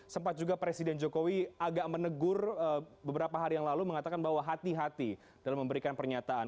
sempat juga presiden jokowi agak menegur beberapa hari yang lalu mengatakan bahwa hati hati dalam memberikan pernyataan